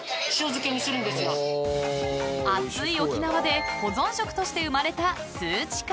［暑い沖縄で保存食として生まれた］